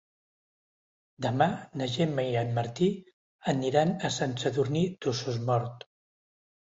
Demà na Gemma i en Martí aniran a Sant Sadurní d'Osormort.